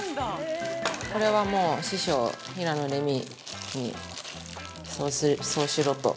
これは、師匠平野レミにそうしろと。